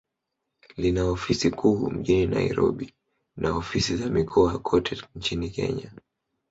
Lina ofisi kuu mjini Nairobi, na ofisi za mikoa kote nchini Kenya.